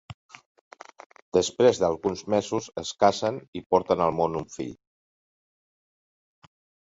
Després d'alguns mesos, es casen i porten al món un fill.